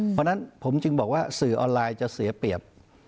เพราะฉะนั้นผมจึงบอกว่าสื่อออนไลน์จะเสียเปรียบ